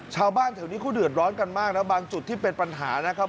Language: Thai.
ชาวบ้านแถวนี้เขาเดือดร้อนกันมากนะบางจุดที่เป็นปัญหานะครับ